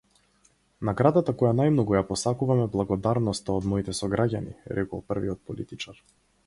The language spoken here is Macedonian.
Наградата која најмногу ја посакувам е благодарноста од моите сограѓани, рекол првиот политичар.